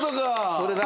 それだ！